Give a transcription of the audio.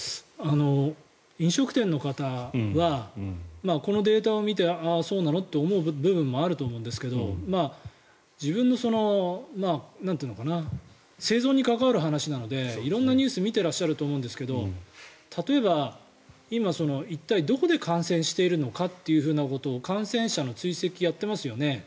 飲食店の方はこのデータを見てそうなのと思う部分もあると思うんですけど自分の生存に関わる話なので色んなニュースを見ていらっしゃると思うんですが例えば、今、一体どこで感染しているのかということを感染者の追跡をやってますよね。